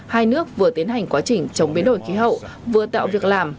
hai nước vừa tiến hành quá trình chống biến đổi khí hậu vừa tạo việc làm